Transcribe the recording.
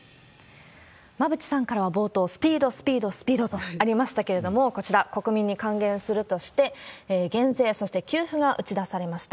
馬渕さんからは冒頭、スピード、スピード、スピードとありましたけれども、こちら、国民に還元するとして、減税、そして給付が打ち出されました。